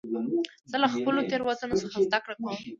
زه له خپلو تېروتنو څخه زدهکړه کوم.